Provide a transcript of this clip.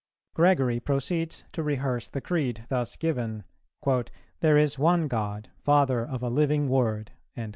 Gregory proceeds to rehearse the Creed thus given, "There is One God, Father of a Living Word," &c.